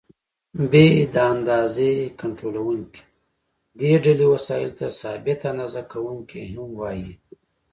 ب: د اندازې کنټرولوونکي: دې ډلې وسایلو ته ثابته اندازه کوونکي هم وایي.